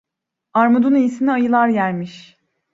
Armudun iyisini ayılar yermiş.